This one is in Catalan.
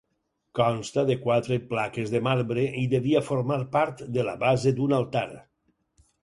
Consta de quatre plaques de marbre i devia formar part de la base d'un altar.